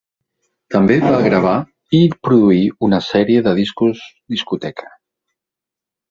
També va gravar i produir una sèrie de discos discoteca.